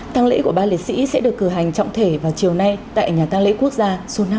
tăng lễ của ba liệt sĩ sẽ được cử hành trọng thể vào chiều nay tại nhà tăng lễ quốc gia số năm trần thánh tông hà nội